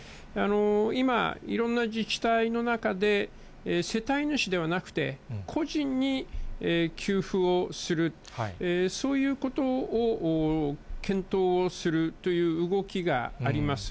今、いろんな自治体の中で、世帯主ではなくて、個人に給付をする、そういうことを検討するという動きがあります。